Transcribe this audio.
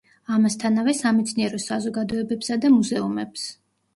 ამასთანავე, სამეცნიერო საზოგადოებებსა და მუზეუმებს.